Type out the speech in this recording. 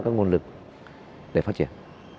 các nguồn lực để phát triển